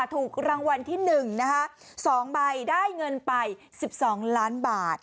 ถูกรางวัลที่๑๒ใบได้เงินไป๑๒ล้านบาท